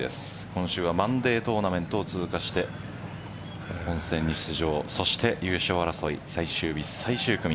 今週はマンデートーナメントを通過して本戦に出場優勝争い、最終日最終組